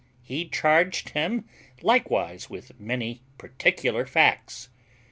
He charged him likewise with many particular facts.